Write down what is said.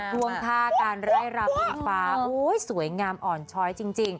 ร่วมค่าการไร้รับพี่ฟ้าสวยงามอ่อนช้อยจริง